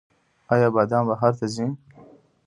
آیا بادام بهر ته ځي؟